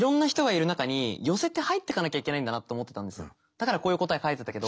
でもだからこういう答え書いてたけど。